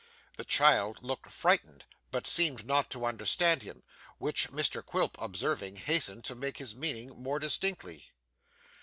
The child looked frightened, but seemed not to understand him, which Mr Quilp observing, hastened to make his meaning more distinctly.